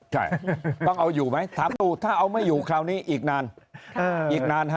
ใช่ต้องเอาอยู่ไหมถามดูถ้าเอาไม่อยู่คราวนี้อีกนานอีกนานฮะ